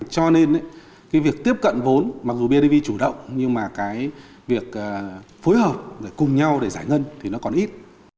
cho nên việc tiếp cận vốn mặc dù bndv chủ động nhưng việc phối hợp cùng nhau để giải ngân thì nó còn ít